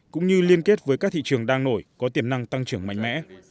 cũng như liên kết với các thị trường đang nổi có tiềm năng tăng trưởng mạnh mẽ